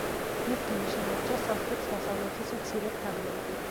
მისგან შემორჩა სამხრეთ-დასავლეთის მცირე ფრაგმენტი.